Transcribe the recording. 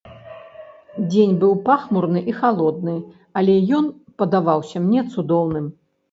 Дзень быў пахмурны і халодны, але ён падаваўся мне цудоўным.